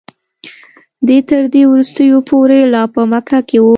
دی تر دې وروستیو پورې لا په مکه کې و.